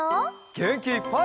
げんきいっぱい！